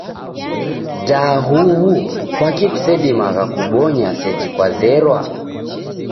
Da huw'u kwaki kusedimagha kubonya seji kwazera.